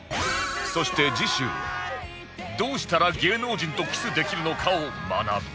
そして次週どうしたら芸能人とキスできるのかを学ぶ